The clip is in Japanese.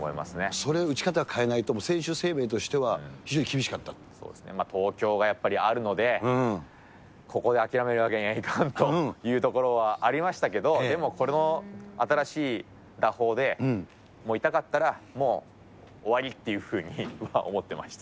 それ、打ち方かえないと選手東京がやっぱりあるので、ここで諦めるわけにはいかんというところはありましたけど、でもこれも新しい打法で、もう痛かったら、もう終わりっていうふうに思ってました。